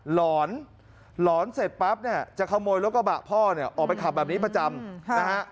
หลอนเสร็จปั๊บจะขโมยโรคบะพ่อออกไปขับแบบนี้ประจำนะฮะ